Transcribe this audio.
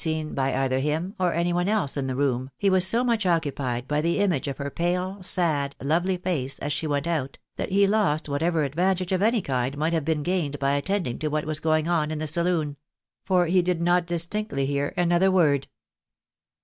seen by either him or any one else in the room, he was so much occupied by the image of her pale, sad, lovely face as she went out, that he lost whatever advantage of any kind might have been gained by attending to what was going on in the saloon ; for he did not distinctly hear another word.